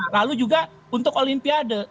lalu juga untuk olimpiade